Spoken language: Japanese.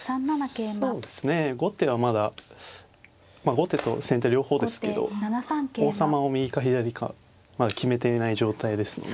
後手と先手両方ですけど王様を右か左かまだ決めていない状態ですので。